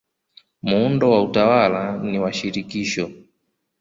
Muundo wa utawala ni wa shirikisho.